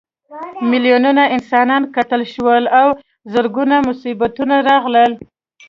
میلیونونه انسانان قتل شول او زرګونه مصیبتونه راغلل.